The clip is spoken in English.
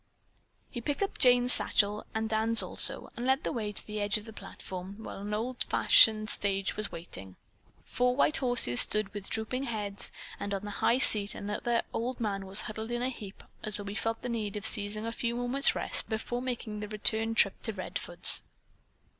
He picked up Jane's satchel and Dan's also, and led the way to the edge of the platform, where an old fashioned stage was waiting. Four white horses stood with drooping heads and on the high seat another old man was huddled in a heap as though he felt the need of seizing a few moments' rest before making the return trip to Redfords.